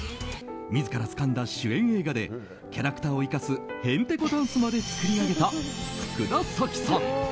自らつかんだ主演映画でキャラクターを生かすヘンテコダンスまで作り上げた福田沙紀さん。